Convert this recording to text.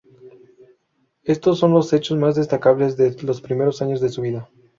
Estos son los hechos más destacables de los primeros años de su vida.